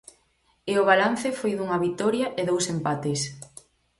E o balance foi dunha vitoria e dous empates.